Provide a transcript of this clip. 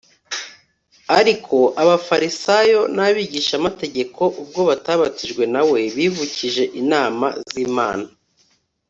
‘ariko abafarisayo n’abigishamategeko ubwo batabatijwe na we, bivukije inama z’imana